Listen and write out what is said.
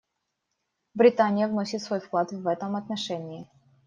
Британия вносит свой вклад в этом отношении.